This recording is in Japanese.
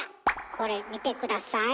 これ見て下さい。